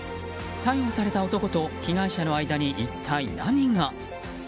逮捕された男と被害者の間に一体何が？